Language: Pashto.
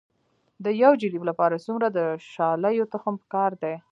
د یو جریب لپاره څومره د شالیو تخم پکار دی؟